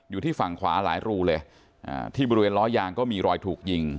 อยู่ที่ฝั่งขวาหลายรูเลยอ่าที่บริเวณล้อยางก็มีรอยถูกยิง